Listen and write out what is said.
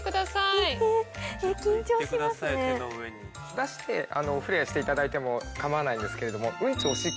出して触れ合いしていただいても構わないんですけれども。